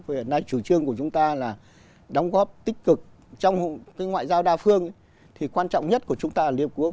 vì hiện nay chủ trương của chúng ta là đóng góp tích cực trong ngoại giao đa phương thì quan trọng nhất của chúng ta là liên hiệp quốc